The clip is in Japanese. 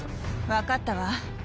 分かったわ。